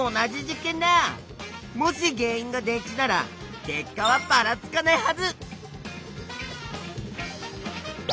もし原いんが電池なら結果はばらつかないはず！